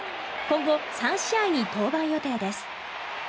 今後、３試合に登板予定です。